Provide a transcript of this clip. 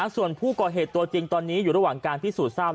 ส่วนผู้ก่อเหตุตัวจริงตอนนี้อยู่ระหว่างการพิสูจน์ทราบ